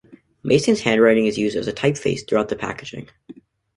Mason's handwriting is used as a typeface throughout the packaging.